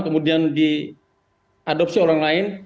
kemudian diadopsi orang lain